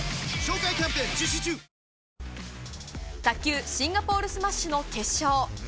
卓球シンガポールスマッシュの決勝。